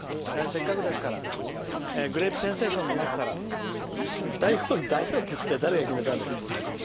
せっかくですから「グレープセンセーション」の中から代表曲代表曲って誰が決めたんだよ。